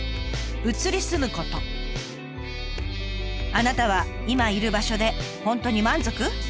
あなたは今いる場所で本当に満足？